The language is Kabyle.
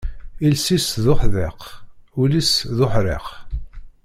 Iles-is d uḥdiq, ul is d uḥriq.